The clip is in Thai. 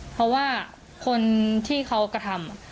เพราะว่าคนที่เขากระทำ